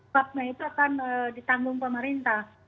karena itu akan ditanggung pemerintah